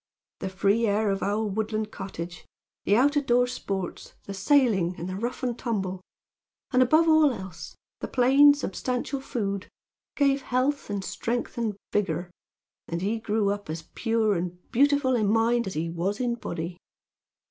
"The free air of our woodland cottage; the out of door sports; the sailing; and the rough and tumble; and, above all else, the plain, substantial food, gave health and strength and vigor; and he grew up as pure and beautiful in mind as he was in body.